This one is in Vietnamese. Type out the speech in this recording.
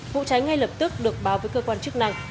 vụ cháy ngay lập tức được báo với cơ quan chức năng